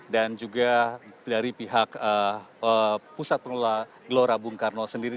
dan juga dari pihak pusat penelola gelora bung karno sendiri